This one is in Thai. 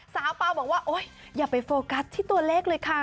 เปล่าบอกว่าโอ๊ยอย่าไปโฟกัสที่ตัวเลขเลยค่ะ